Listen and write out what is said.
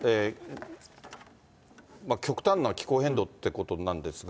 極端な気候変動ってことなんですが。